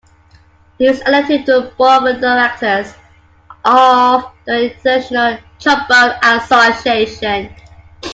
He was elected to the Board of Directors of the International Trombone Association.